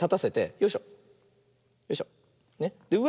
よいしょ。